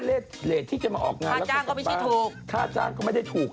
ไม่ใช่เลสที่มีใครมาออกงานแล้วก็กำลังสัมภาษณ์